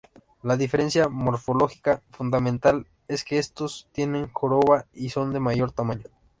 La diferencia morfológica fundamental, es que estos tienen joroba y son de mayor tamaño.